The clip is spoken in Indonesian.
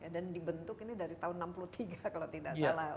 dan dibentuk ini dari tahun seribu sembilan ratus enam puluh tiga kalau tidak salah